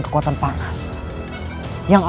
dia jatuh perang